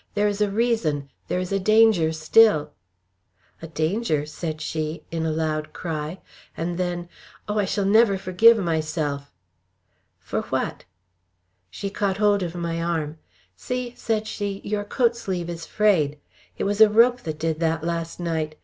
There is a reason! There is a danger still!" "A danger," she said, in a loud cry, and then "Oh! I shall never forgive myself!" "For what?" She caught hold of my arm. "See?" she said. "Your coat sleeve is frayed. It was a rope did that last night.